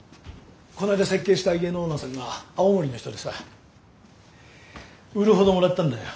この間設計した家のオーナーさんが青森の人でさ売るほどもらったんだよ。